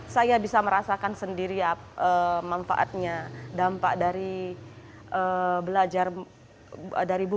sama sama kita kalau selama ini